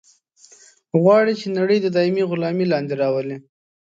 غواړي چې نړۍ د دایمي غلامي لاندې راولي.